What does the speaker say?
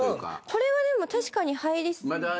これはでも確かに入ります。